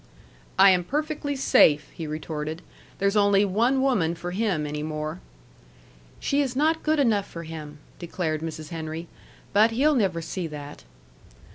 "I am perfectly safe," he retorted. "There's only one woman for him any more." "She is not good enough for him," declared Mrs. Henry. "But he'll never see that."